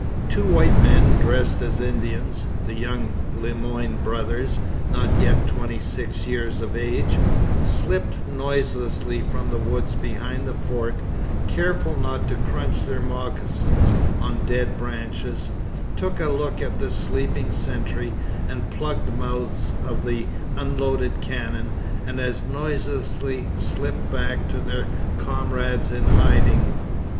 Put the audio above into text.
Two white men dressed as Indians the young Le Moyne brothers, not yet twenty six years of age slipped noiselessly from the woods behind the fort, careful not to crunch their moccasins on dead branches, took a look at the sleeping sentry and the plugged mouths of the unloaded cannon, and as noiselessly slipped back to their comrades in hiding.